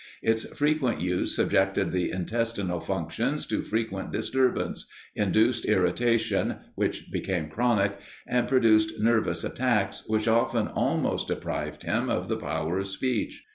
Its frequent use subjected the intestinal functions to frequent disturbance, induced irritation, which became chronic, and produced nervous attacks, which often almost deprived him of the power of speech.